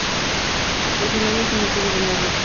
Los Enanos son nativos de Narnia.